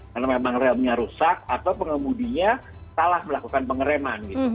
karena memang remnya rusak atau pengemudinya salah melakukan pengereman gitu